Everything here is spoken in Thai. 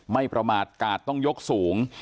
ไม่ประมาทกาดต้องยกสูง